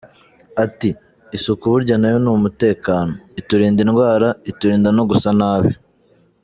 Ati “Isuku burya na yo ni umutekano, iturinda indwara, iturinda no gusa nabi.